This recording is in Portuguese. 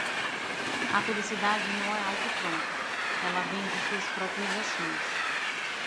A felicidade não é algo pronto. Ela vem de suas próprias ações.